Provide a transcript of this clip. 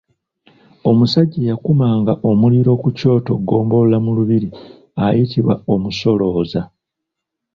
Omusajja eyakumanga omuliro ku kyoto Ggombolola mu lubiri ayitibwa Omusolooza.